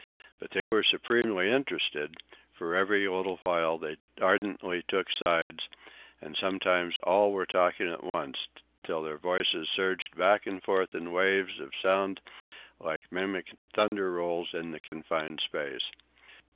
But they were supremely interested, for every little while they ardently took sides, and sometimes all were talking at once, till their voices surged back and forth in waves of sound like mimic thunder rolls in the confined space.